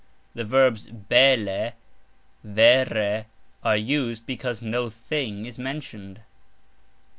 The adverbs "bele", "vere", are used because no "thing" is mentioned.